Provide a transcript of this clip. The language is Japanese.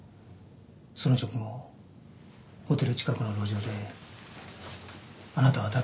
その直後ホテル近くの路上であなたはタクシーを拾われた。